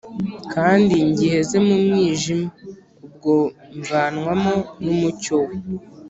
kandi ngiheze mu mwijima ubwo, mvanwamo n'umucyo we.